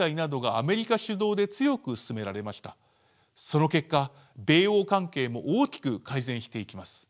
その結果米欧関係も大きく改善していきます。